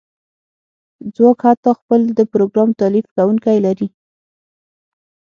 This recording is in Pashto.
ځواک حتی خپل د پروګرام تالیف کونکی لري